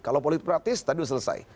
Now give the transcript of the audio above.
kalau politik praktis tadi sudah selesai